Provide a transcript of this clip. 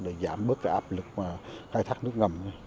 để giảm bớt cái áp lực khai thác nước ngầm